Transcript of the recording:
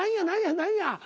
何や？